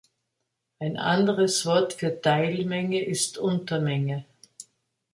Ein anderes Wort für Teilmenge ist Untermenge.